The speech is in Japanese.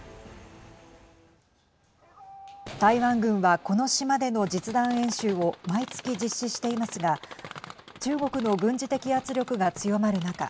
台湾軍は、この島での実弾演習を毎月実施していますが中国の軍事的圧力が強まる中